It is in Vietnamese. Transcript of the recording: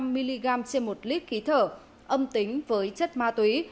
năm mươi năm mg trên một lít khí thở âm tính với chất ma túy